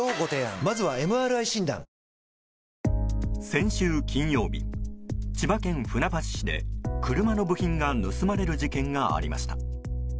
先週金曜日、千葉県船橋市で車の部品が盗まれる事件がありました。